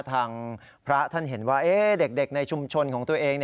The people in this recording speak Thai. ทางพระท่านเห็นว่าเด็กในชุมชนของตัวเอง